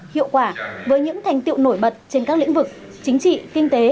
hiệu quả với những thành tiệu nổi bật trên các lĩnh vực chính trị kinh tế